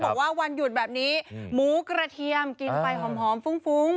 วันหยุดแบบนี้หมูกระเทียมกินไปหอมฟุ้ง